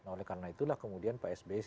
oleh karena itulah kemudian pak sby